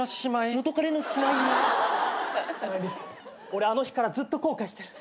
俺あの日からずっと後悔してる。